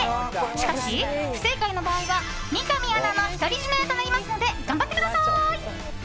しかし不正解の場合は三上アナの独り占めとなりますので頑張ってください！